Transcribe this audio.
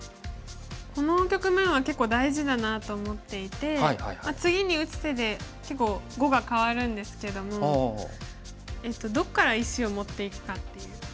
この局面は結構大事だなと思っていて次に打つ手で結構碁がかわるんですけどもどっから石を持っていくかっていう。